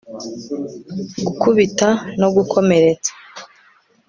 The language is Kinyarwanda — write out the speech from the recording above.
gukubita no gukomeretsa